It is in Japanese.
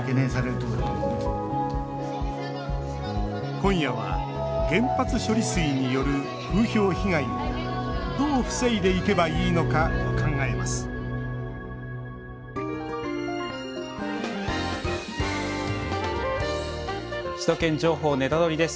今夜は原発処理水による風評被害をどう防いでいけばいいのか考えます「首都圏情報ネタドリ！」です。